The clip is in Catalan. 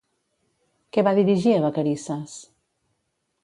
Què va dirigir a Vacarisses?